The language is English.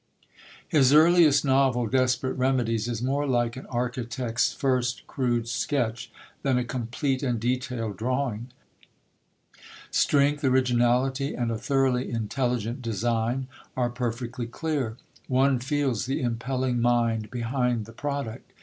His earliest novel, Desperate Remedies, is more like an architect's first crude sketch than a complete and detailed drawing. Strength, originality, and a thoroughly intelligent design are perfectly clear; one feels the impelling mind behind the product.